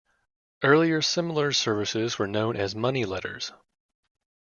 Earlier similar services were known as "Money Letters".